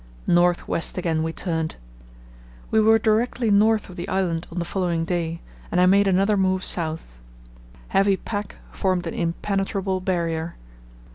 North west again we turned. We were directly north of the island on the following day, and I made another move south. Heavy pack formed an impenetrable barrier.